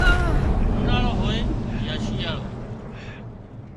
اُوناۯو هوئي يا شيئاۯو